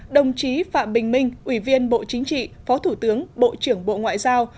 đồng chí phạm bình minh ủy viên bộ chính trị phó thủ tướng bộ trưởng bộ ngoại giao